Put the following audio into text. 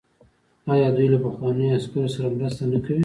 آیا دوی له پخوانیو عسکرو سره مرسته نه کوي؟